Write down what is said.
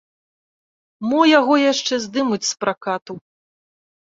Мо яго яшчэ здымуць з пракату.